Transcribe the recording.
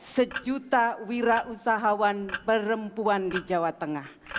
sejuta wira usahawan perempuan di jawa tengah